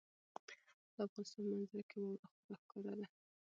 د افغانستان په منظره کې واوره خورا ښکاره ده.